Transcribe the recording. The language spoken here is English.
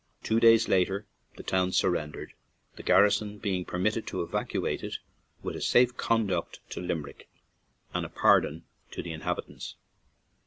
Two days later the town surrendered, the garrison being permitted to evacuate it with a safe conduct to Limerick and a pardon to the inhabitants.